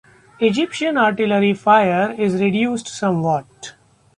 Egyptian artillery fire is reduced somewhat.